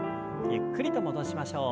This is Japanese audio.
ゆったりと動きましょう。